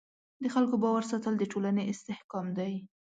د خلکو باور ساتل د ټولنې استحکام دی.